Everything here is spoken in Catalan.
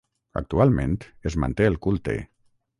Actualment es manté el culte.